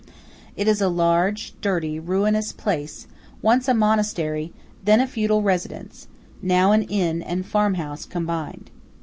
It is a large, dirty, ruinous place–once a monastery; then a feudal residence; now an inn and farm house combined.